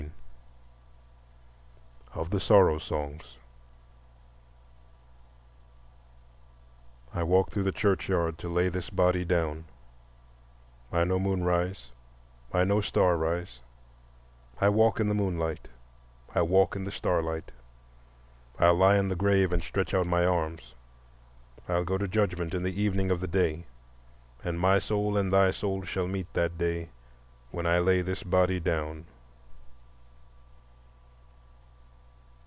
XIV. Of the Sorrow Songs I walk through the churchyard To lay this body down; I know moon rise, I know star rise; I walk in the moonlight, I walk in the starlight; I'll lie in the grave and stretch out my arms, I'll go to judgment in the evening of the day, And my soul and thy soul shall meet that day, When I lay this body down.